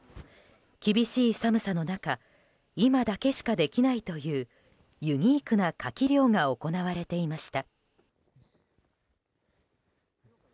厳しい寒さの中今だけしかできないというユニークなカキ漁が行われていました。